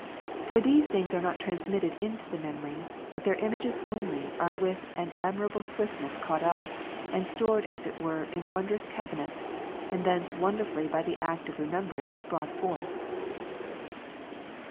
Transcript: For those things are not transmitted into the memory, but their images only are with an admirable swiftness caught up, and stored as it were in wondrous cabinets, and thence wonderfully by the act of remembering, brought" forth.